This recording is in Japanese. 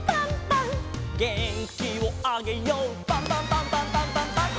「げんきをあげようパンパンパンパンパンパンパン！！」